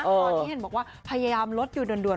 ตอนที่บอกว่าภายอามาร์บรถอยู่ดุน